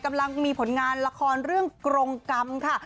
กำลังมีผลงานละครเรื่องกรงกรรมค่ะ